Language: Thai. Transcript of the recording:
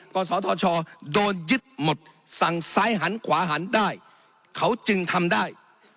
กศธชโดนยึดหมดสั่งซ้ายหันขวาหันได้เขาจึงทำได้